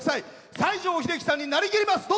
西城秀樹さんになりきります。